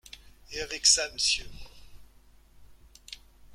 Et avec ça, Monsieur?